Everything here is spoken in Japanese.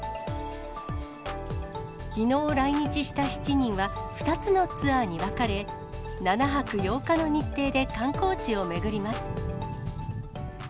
きのう来日した７人は、２つのツアーに分かれ、７泊８日の日程で観光地を巡ります。